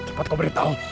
cepat kau beritahu